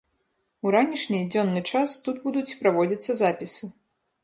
У ранішні, дзённы час тут будуць праводзіцца запісы.